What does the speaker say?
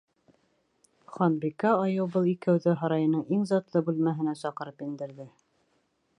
Ханбикә айыу был икәүҙе һарайының иң затлы бүлмәһенә саҡырып индерҙе.